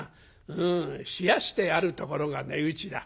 うん冷やしてあるところが値打ちだ。